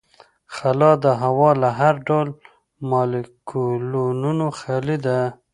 خلا د هوا له هر ډول مالیکولونو خالي ده.